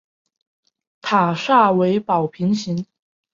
塔刹为宝瓶形。